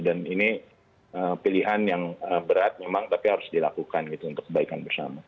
dan ini pilihan yang berat memang tapi harus dilakukan gitu untuk kebaikan bersama